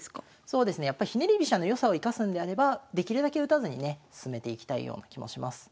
そうですねやっぱひねり飛車の良さを生かすんであればできるだけ打たずにね進めていきたいような気もします。